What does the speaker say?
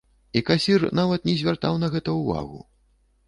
І касір нават не звяртаў на гэта ўвагу.